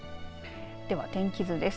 では、天気図です。